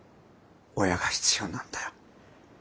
親が必要なんだよ。